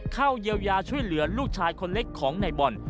เข้าเยียวยาช่วยเหลือลูกชายคนเล็กของในบอล